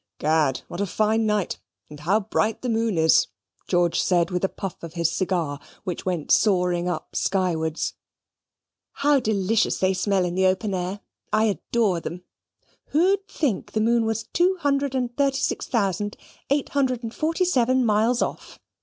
"Gad, what a fine night, and how bright the moon is!" George said, with a puff of his cigar, which went soaring up skywards. "How delicious they smell in the open air! I adore them. Who'd think the moon was two hundred and thirty six thousand eight hundred and forty seven miles off?"